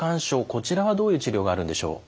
こちらはどういう治療法があるんでしょう？